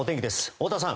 太田さん。